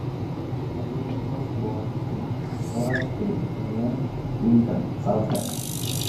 Hamilton was born in Forest Hill, near Winton, Southland.